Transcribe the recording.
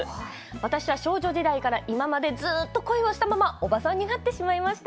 私は少女時代から今までずっと恋をしたままおばさんになってしまいました。